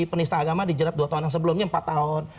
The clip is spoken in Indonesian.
penista agama dijerat dua tahun yang sebelumnya empat tahun